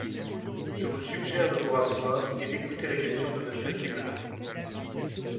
Je vous suggère de vous rasseoir et d’écouter la question de Monsieur Suguenot.